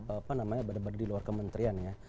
apa namanya badan badan di luar kementerian ya